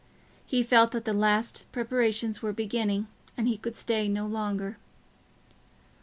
He felt that the last preparations were beginning, and he could stay no longer.